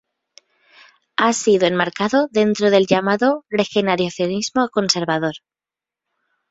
Ha sido enmarcado dentro del llamado regeneracionismo conservador.